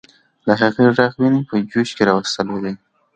د هغې ږغ ويني په جوش راوستلې دي.